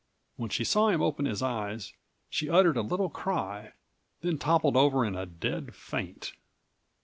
When she saw him open his eyes she uttered a little cry, then toppled over in a dead faint.